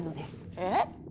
えっ？